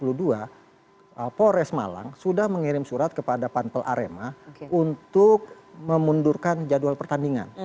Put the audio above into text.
polres malang sudah mengirim surat kepada pampel arema untuk memundurkan jadwal pertandingan